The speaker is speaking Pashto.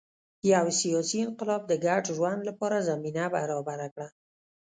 یو سیاسي انقلاب د ګډ ژوند لپاره زمینه برابره کړه